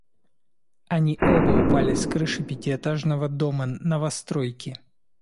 Они оба упали с крыши пятиэтажного дома, новостройки.